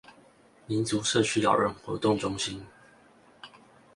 民族社區老人活動中心